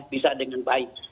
bisa dengan baik